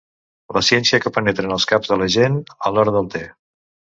La ciència que penetra en els caps de la gent a l'hora del te.